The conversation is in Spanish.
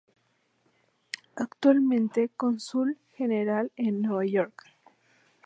Actualmente Cónsul General en Nueva York.